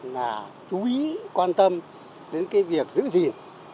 là chú ý quan tâm đến cái việc giữ gìn